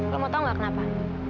kamu mau tahu nggak kenapa